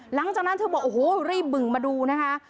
หลังจากนั้นเธอบอกโอ้โหรีบบึงมาดูนะคะ